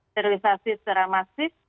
sterilisasi secara masif